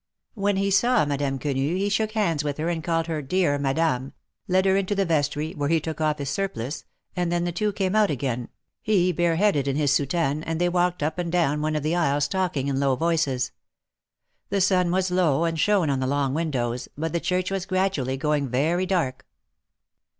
When he saw Madame Qiienu, he shook hands with her and called her ^^dear Madame," led her into the vestry where he took off his surplice, and then the two came 224 THE MAEKETS OF PAEIS. out again, he bareheaded in his soutane, and they walked^ np and down one of the aisles talking in low voices. The sun was low, and shone on the long windows, but the church was gradually growing very dark.